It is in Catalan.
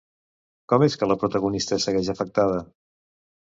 Com és que la protagonista segueix afectada?